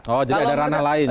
oh jadi ada ranah lain ya